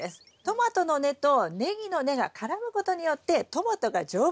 トマトの根とネギの根が絡むことによってトマトが丈夫になるんです。